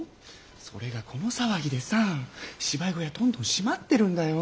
それがこの騒ぎでさ芝居小屋どんどん閉まってるんだよ。